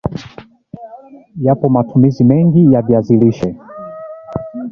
Yapo matumizi mengi ya viazi lishe